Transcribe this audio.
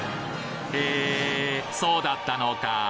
へぇーそうだったのか。